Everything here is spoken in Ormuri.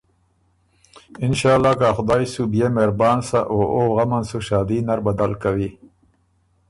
انشأالله که ا خدایٛ سُو بيې مهربان سَۀ او او غم ان سُو شادي نر بدل کوی